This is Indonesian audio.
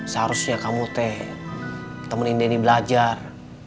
seharusnya kamu teh temenin denny belajar